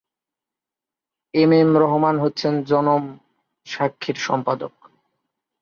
M M Rahman হচ্ছেন জনম সাক্ষীর সম্পাদক।